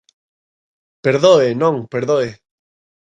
Perdoe, non, perdoe.